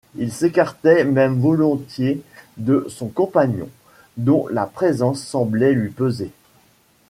Il s’écartait même volontiers de son compagnon, dont la présence semblait lui peser.